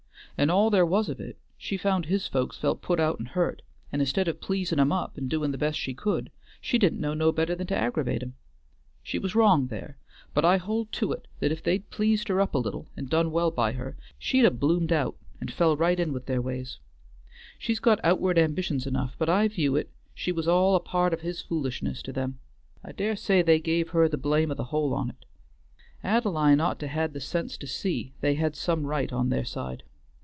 And all there was of it, she found his folks felt put out and hurt, and instead of pleasing 'em up and doing the best she could, she didn't know no better than to aggravate 'em. She was wrong there, but I hold to it that if they'd pleased her up a little and done well by her, she'd ha' bloomed out, and fell right in with their ways. She's got outward ambitions enough, but I view it she was all a part of his foolishness to them; I dare say they give her the blame o' the whole on't. Ad'line ought to had the sense to see they had some right on their side.